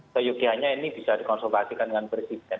seyukianya ini bisa dikonsultasikan dengan presiden